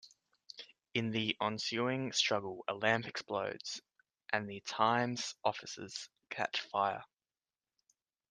In the ensuing struggle a lamp explodes and the "Times"' offices catch fire.